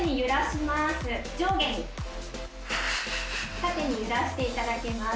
縦に揺らしていただきます。